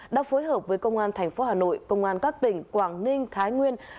đã phối hợp với công an thành phố hà nội công an các tỉnh quảng ninh thái nguyên